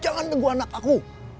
jangan teguh anak aku